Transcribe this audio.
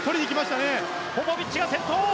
ポポビッチが先頭。